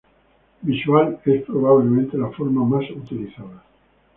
Visual es probablemente la forma más utilizada.